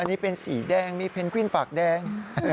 อันนี้เป็นสีแดงมีเพนกวินปากแดง